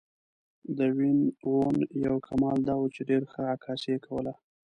د وین وون یو کمال دا و چې ډېره ښه عکاسي یې کوله.